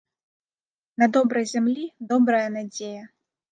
На добрай зямлі добрая надзея